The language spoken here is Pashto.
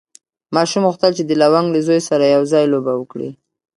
ماشوم غوښتل چې د لونګ له زوی سره یو ځای لوبه وکړي.